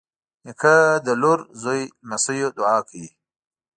نیکه د لور، زوی، لمسيو دعا کوي.